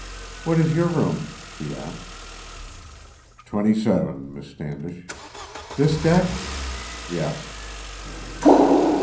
"What is your room?" she asked. "Twenty seven, Miss Standish." "This deck?" "Yes."